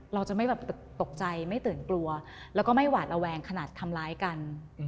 เราจะไม่แบบตกใจไม่ตื่นกลัวแล้วก็ไม่หวาดระแวงขนาดทำร้ายกัน